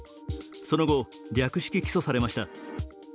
その後、略式起訴されました。